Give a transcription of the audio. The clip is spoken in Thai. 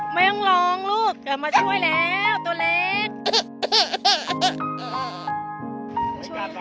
ไม่ต้องลองลูกจะมาช่วยแล้ว